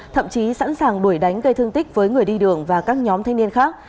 thậm chí sẵn sàng đuổi đánh gây thương tích với người đi đường và các nhóm thanh niên khác